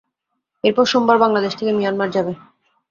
এরপর সোমবার বাংলাদেশ থেকে মিয়ানমার যাবে।